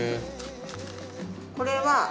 これは。